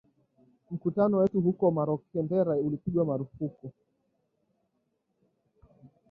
Mkutano wetu huko Marondera ulipigwa marufuku